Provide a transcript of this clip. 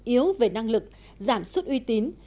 yếu về năng lực giảm suất uy tín